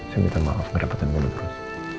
saya minta maaf ngerepotin kamu terus